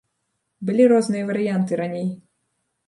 Былі розныя варыянты раней.